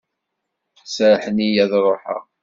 Serrḥen-iyi ad ruḥeɣ.